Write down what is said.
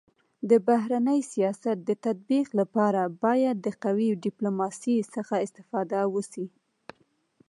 د بهرني سیاست د تطبيق لپاره باید د قوي ډيپلوماسی څخه استفاده وسي.